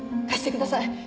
貸してください。